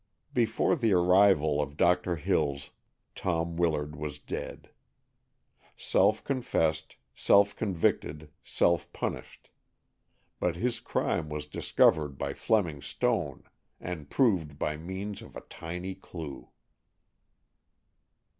Before the arrival of Doctor Hills, Tom Willard was dead. Self confessed, self convicted, self punished; but his crime was discovered by Fleming Stone, and proved by means of a tiny clue.